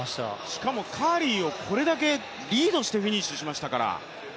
しかもカーリーをこれだけリードして出してきましたから。